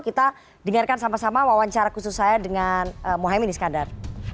kita dengarkan sama sama wawancara khusus saya dengan mohaimin iskandar